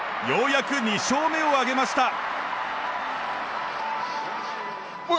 ようやく２勝目を挙げました。